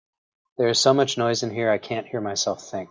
There is so much noise in here, I can't hear myself think.